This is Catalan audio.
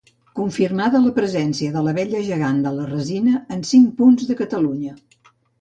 Confirmada la presència de l'abella gegant de la resina en cinc punts de Catalunya.